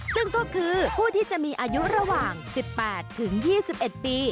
ซึ่งก็คือผู้ที่จะมีอายุระหว่าง๑๘ถึง๒๑ปี